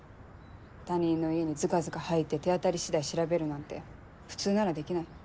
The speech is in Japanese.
他人の家にずかずか入って手当たり次第調べるなんて普通ならできない。